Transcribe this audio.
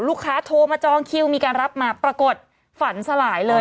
โทรมาจองคิวมีการรับมาปรากฏฝันสลายเลย